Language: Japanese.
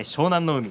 海。